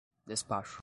despacho